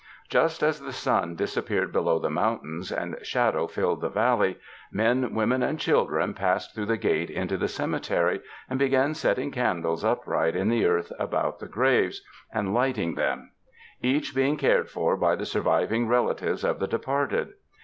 Just as the sun dis appeared below the mountains, and shadow filled the valley, men, women and children passed through the gate into the cemetery and began setting candles upright in the earth about the graves, and lighting them; each being cared for by the surviving rela tives of the departed.